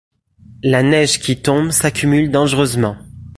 La neige qui tombe s'accumule dangereusement.